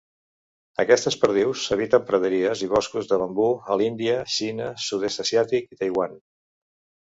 Aquestes perdius habiten praderies i boscos de bambú a l'Índia, Xina, sud-est asiàtic i Taiwan.